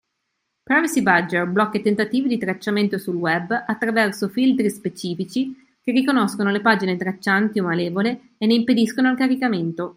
Privacy Badger blocca i tentativi di tracciamento sul Web attraverso filtri specifici che riconoscono le pagine traccianti o malevole e ne impediscono il caricamento.